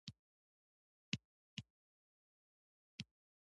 د رحمان بابا د شاعرۍ ګمان کيږي لکه چې وائي: